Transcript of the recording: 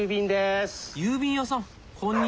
郵便屋さん！